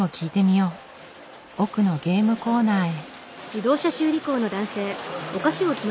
奥のゲームコーナーへ。